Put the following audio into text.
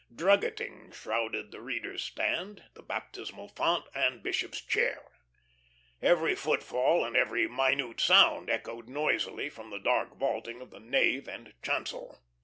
Druggeting shrouded the reader's stand, the baptismal font, and bishop's chair. Every footfall and every minute sound echoed noisily from the dark vaulting of the nave and chancel.